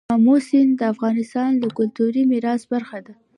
آمو سیند د افغانستان د کلتوري میراث برخه ده.